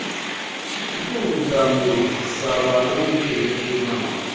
Ubwenge bwa muntu busabana n’ubwenge bw’Imana